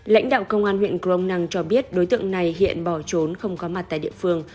lãnh đạo công an huyện crong năng cho biết đối tượng này hiện bỏ trốn không có mặt tại địa phương